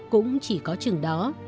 cũng chỉ có chừng đó